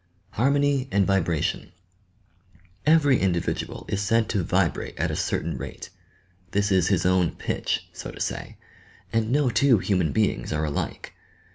HARMONY AND VffiRATION Every individual is said to vibrate at a certain rate ; this is his own "pitch," so to say, and no two human beings are alike.